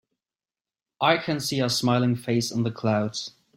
I can see a smiling face in the clouds.